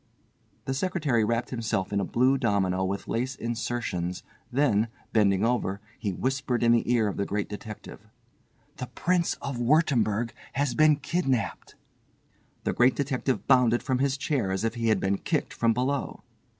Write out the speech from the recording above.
The secretary wrapped himself in a blue domino with lace insertions, then, bending over, he whispered in the ear of the Great Detective: "The Prince of Wurttemberg has been kidnapped." The Great Detective bounded from his chair as if he had been kicked from below.